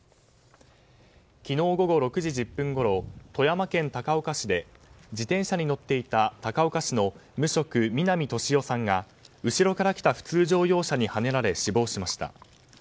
昨日午後６時１０分ごろ富山県高岡市で自転車に乗っていた高岡市の無職、南利夫さんが後ろから来た普通乗用車にはねられ、死亡しました。